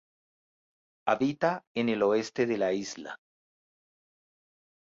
Habita en el oeste de la isla.